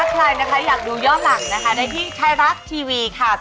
เป็นอย่างไรครับ